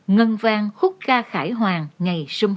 ngân vang hút ca khải hoàng ngày xung họp